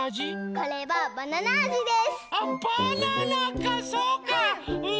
これはトマトあじです。